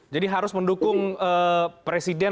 jadi harus mendukung presiden